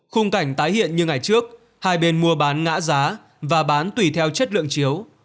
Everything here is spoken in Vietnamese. khung cảnh tái hiện như ngày trước hai bên mua bán ngã giá và bán tùy theo chất lượng chiếu